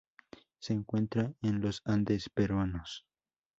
Se encuentra en los Andes peruanos.